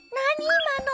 いまの。